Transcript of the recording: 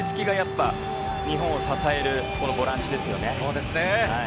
日本を支えるボランチですね。